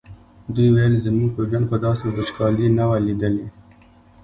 دوی ویل زموږ په ژوند خو داسې وچکالي نه وه لیدلې.